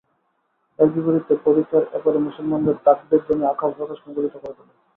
এর বিপরীতে পরিখার এপারে মুসলমানদের তাকবীরধ্বনি আকাশ-বাতাশ মুখরিত করে তোলে।